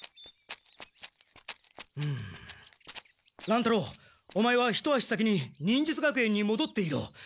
乱太郎オマエは一足先に忍術学園にもどっていろ。